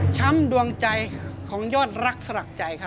ช้ำดวงใจของยอดรักสลักใจครับ